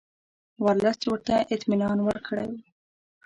ورلسټ ورته اطمینان ورکړی وو.